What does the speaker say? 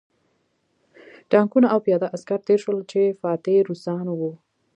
ټانکونه او پیاده عسکر تېر شول چې فاتح روسان وو